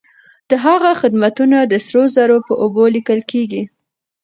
د هغه خدمتونه د سرو زرو په اوبو ليکل کيږي.